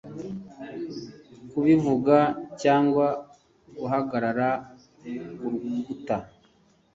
Kubivuga cyangwa guhagarara kurukuta